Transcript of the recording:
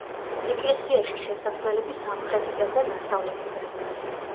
ეკლესიაში შესასვლელები სამხრეთიდან და დასავლეთიდანაა.